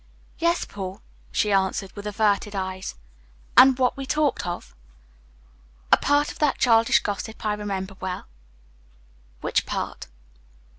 "Yes, Paul," she answered, with averted eyes. "And what we talked of?" "A part of that childish gossip I remember well." "Which part?"